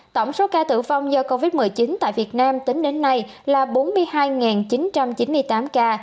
tổng số ca tử vong do covid một mươi chín tại việt nam tính đến nay là bốn mươi hai chín trăm chín mươi tám ca